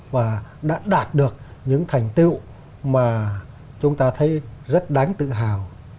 và đã đạt được những thành tựu mà chúng ta thấy rất đáng tự hào